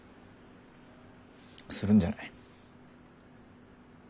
するんじゃない？